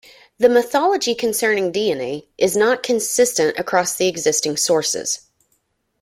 The mythology concerning Dione is not consistent across the existing sources.